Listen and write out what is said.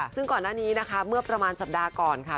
ซึ่งก่อนหน้านี้นะคะเมื่อประมาณสัปดาห์ก่อนค่ะ